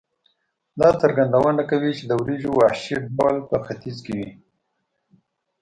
دا څرګندونه کوي چې د وریجو وحشي ډول په ختیځ کې وې.